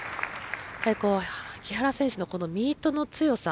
木原選手のミートの強さ。